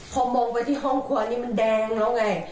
พอมองไปที่ห้องครัวนี้มันแดงแล้วไง